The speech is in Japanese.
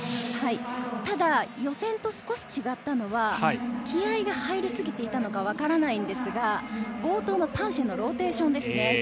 ただ予選と少し違ったのは気合いが入りすぎていたのかわからないのですが、冒頭のパンシェのローテーション。